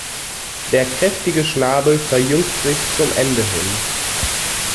Der kräftige Schnabel verjüngt sich zum Ende hin.